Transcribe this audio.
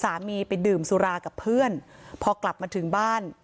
ไปดื่มสุรากับเพื่อนพอกลับมาถึงบ้าน